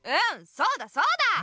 そうだそうだ！